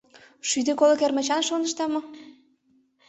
Шӱдӧ коло кермычан, шонышда мо?